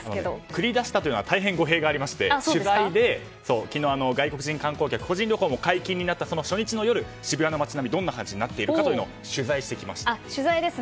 繰り出したというのは大変、語弊がありまして取材で、昨日、外国人観光客個人旅行も解禁になったその初日の夜、渋谷の街並みどんな感じになっているのかを取材してきました。